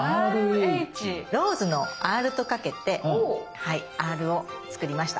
ローズの「Ｒ」とかけて「Ｒ」を作りました。